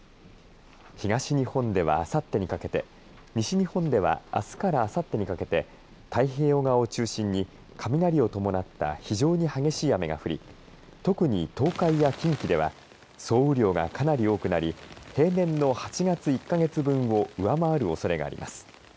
東日本ではあさってにかけて西日本ではあすからあさってにかけて太平洋側を中心に雷を伴った非常に激しい雨が降り特に東海や近畿では総雨量がかなり多くなり平年の８月１か月分を上回るおそれがあります。